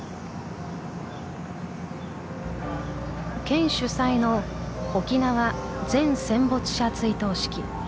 県主催の沖縄全戦没者追悼式。